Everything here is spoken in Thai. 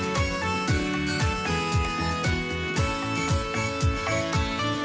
โปรดติดตามต่อไป